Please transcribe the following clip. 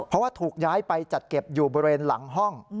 เพราะว่าถูกย้ายไปจัดเก็บอยู่บริเวณหลังห้อง